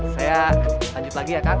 saya lanjut lagi ya kang